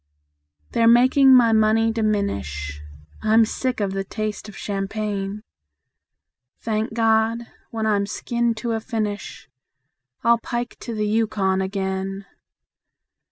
They're making my money diminish; I'm sick of the taste of champagne. Thank God! when I'm skinned to a finish I'll pike to the Yukon again.